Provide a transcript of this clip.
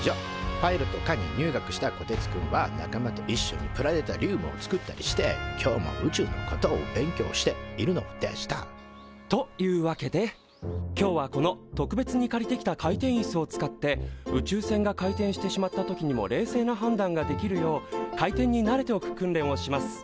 パイロット科に入学したこてつくんは仲間といっしょにプラネタリウムを作ったりして今日も宇宙のことを勉強しているのでしたというわけで今日はこの特別に借りてきた回転いすを使って宇宙船が回転してしまった時にも冷静な判断ができるよう回転に慣れておく訓練をします。